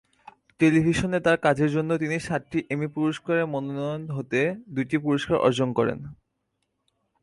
টেলিভিশনে তার কাজের জন্য তিনি সাতটি এমি পুরস্কারের মনোনয়ন হতে দুইটি পুরস্কার অর্জন করেন।